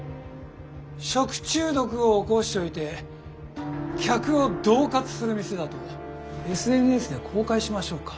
食中毒を起こしておいて客をどう喝する店だとＳＮＳで公開しましょうか？